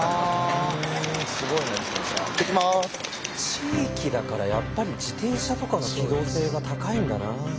地域だからやっぱり自転車とかの機動性が高いんだな。